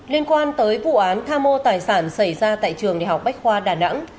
liên quan tới vụ án tha mô tài sản xảy ra tại trường đh bách khoa đà nẵng